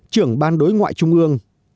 trưởng ban đối ngoại trung ương